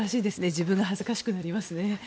自分が恥ずかしくなりますね。